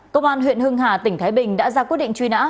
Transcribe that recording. công an huyện quỳnh phụ tỉnh thái bình đã ra quyết định truy nã